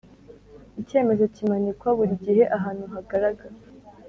Icyemezo kimanikwa buri gihe ahantu hagaraga